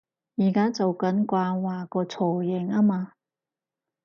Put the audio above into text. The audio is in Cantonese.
而家做緊掛畫個雛形吖嘛